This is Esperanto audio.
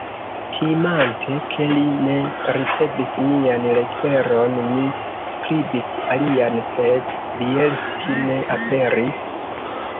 Timante, ke li ne ricevis mian leteron, mi skribis alian, sed Bjelski ne aperis.